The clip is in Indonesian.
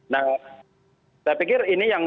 nah saya pikir ini yang